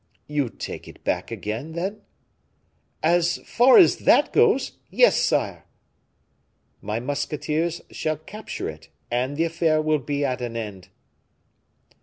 "You take it back again, then?" "As far as that goes yes, sire." "My musketeers shall capture it, and the affair will be at an end."